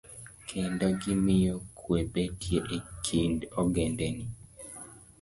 Kendo, gimiyo kwe betie e kind ogendini.